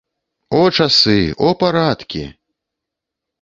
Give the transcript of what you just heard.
О, часы, о, парадкі!